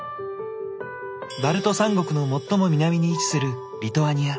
バルト三国の最も南に位置するリトアニア。